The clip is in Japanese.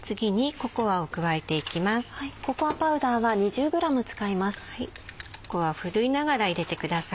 ココアはふるいながら入れてください。